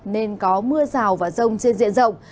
nên có mưa rào và rông trên diện rộng